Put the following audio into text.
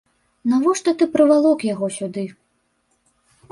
Навошта ты прывалок яго сюды?